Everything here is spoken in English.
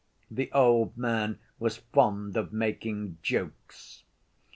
The old man was fond of making jokes.